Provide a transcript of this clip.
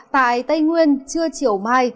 tại tây nguyên trưa chiều mai